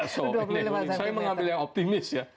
soni saya mengambil yang optimis ya